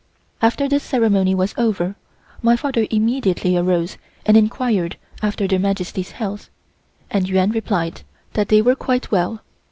After this ceremony was over my father immediately arose and inquired after Their Majesties' health, and Yuan replied that they were quite well.